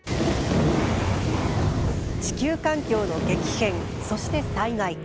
地球環境の激変、そして災害。